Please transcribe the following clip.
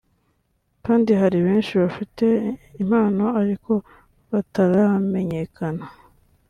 kandi hari benshi bafite impano ariko bataramenyekana